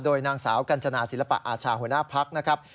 โดยนางสาวกัญจนาศิลปะอาชาหัวหน้าพักนะครับ